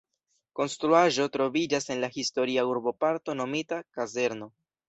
Konstruaĵo troviĝas en la historia urboparto nomita "Kazerno".